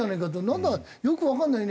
なんだかよくわかんないね。